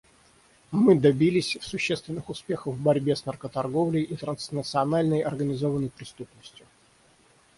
Мы добились существенных успехов в борьбе с наркоторговлей и транснациональной организованной преступностью.